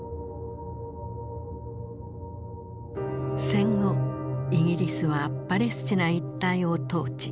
戦後イギリスはパレスチナ一帯を統治。